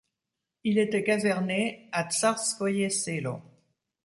Il était caserné à Tsarskoïe Selo.